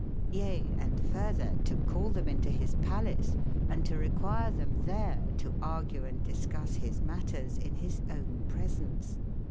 ^ca & f urtber to call tbem into bis palace and to require tbem tbere to argue and discusse bis matters in bis ownepresence.